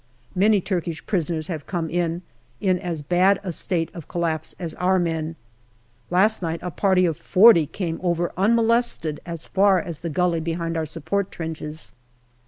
Many Turkish prisoners have come in, in as bad a state of collapse as our men. Last night a party of forty came over unmolested as far as the gully behind our support trenches.